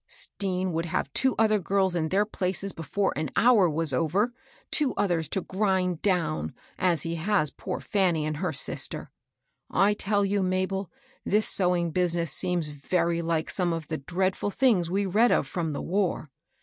Stean would have two other girls in their places before an hour was over, — two others to grind down, as he has poor Fanny and her sister. I tell you, Mabel, this sewing business seems very like some of the dreadful things we read of from the war.